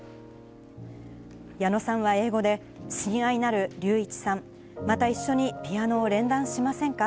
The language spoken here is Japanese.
矢野さんは英語で、親愛なる龍一さん、また一緒にピアノを連弾しませんか？